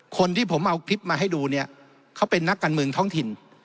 คนที่ผมเอาคลิปมาให้ดูเนี่ยเขาเป็นนักการเมืองท้องถิ่น